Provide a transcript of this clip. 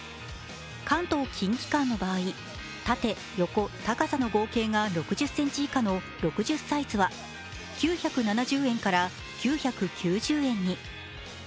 関東−近畿間の場合、縦・横・高さの合計が６０ｃｍ以下の６０サイズは９７０円から９９０円に。